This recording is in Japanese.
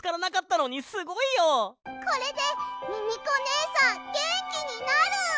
これでミミコねえさんげんきになる！